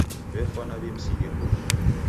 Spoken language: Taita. W'efwana w'imsighe huru.